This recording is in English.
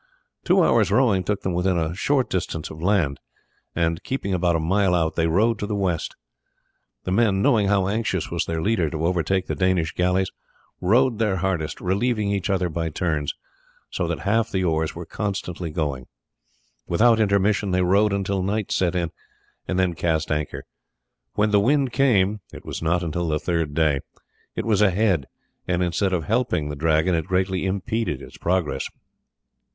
Two hours' rowing took them within a short distance of land, and keeping about a mile out they rowed to the west. The men, knowing how anxious was their leader to overtake the Danish galleys, rowed their hardest, relieving each other by turns, so that half the oars were constantly going. Without intermission they rowed until night set in, and then cast anchor. When the wind came it was not until the third day it was ahead, and instead of helping the Dragon it greatly impeded its progress.